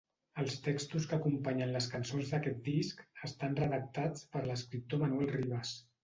Els textos que acompanyen les cançons d'aquest disc estan redactats per l'escriptor Manuel Rivas.